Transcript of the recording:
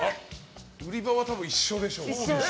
売り場は一緒でしょうね。